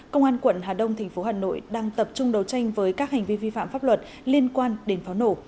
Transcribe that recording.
công an quận hà đông tp hà nội đang tập trung đấu tranh với các hành vi vi phạm pháp luật liên quan đến pháo nổ